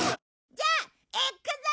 じゃあいくぞ！